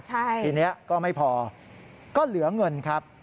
ทีนี้ก็ไม่พอก็เหลือเงินครับ